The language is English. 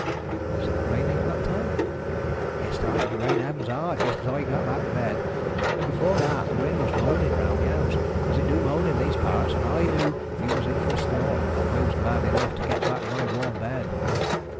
"Was it raining at that time?" "It started to rain heavens hard just as I got back to bed, but before that the wind was moaning round the house, as it do moan in these parts, and I knew we was in for a storm. I was glad enough to get back to my warm bed."